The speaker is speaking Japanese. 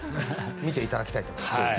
見ていただきたいと思います。